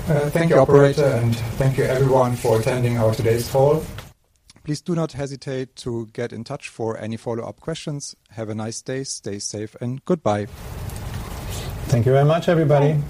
Thank you, operator, and thank you everyone for attending our today's call. Please do not hesitate to get in touch for any follow-up questions. Have a nice day. Stay safe and goodbye. Thank you very much, everybody.